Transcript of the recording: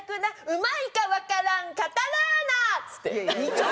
うまいかわからんカタラーナ」っつって。